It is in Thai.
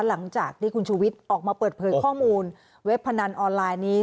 หลังจากที่คุณชูวิทย์ออกมาเปิดเผยข้อมูลเว็บพนันออนไลน์นี้